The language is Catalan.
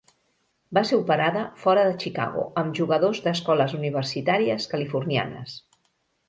Va ser operada fora de Chicago amb jugadors d'escoles universitàries californianes.